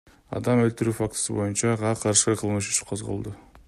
Адам өлтүрүү фактысы боюнча ага каршы кылмыш иши козголду.